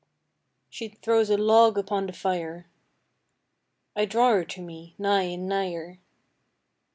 She throws a log upon the fire. I draw her to me, nigh and nigher.